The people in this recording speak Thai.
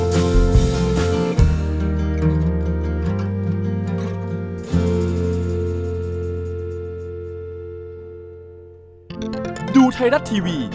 โปรดติดตามต่อไป